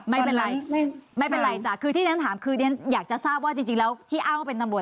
ไม่เป็นไรไม่เป็นไรจ้ะคือที่ฉันถามคือเรียนอยากจะทราบว่าจริงแล้วที่อ้างว่าเป็นตำรวจ